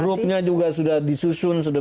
dan grupnya juga sudah disusun sudah